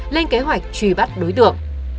lên kế hoạch truy bắt đối tượng